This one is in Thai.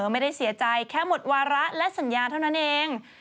ไม่ได้เสียใจแค่หมดวาระและสัญญาเท่านั้นเอง